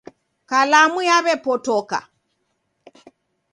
Kalamu yaw'epotoka.